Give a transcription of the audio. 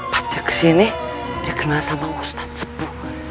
tapi kesini dia kenal sama ustadz zabu